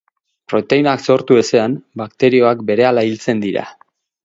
Proteinak sortu ezean, bakterioak berehala hiltzen dira.